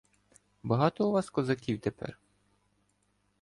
— Багато у вас козаків тепер?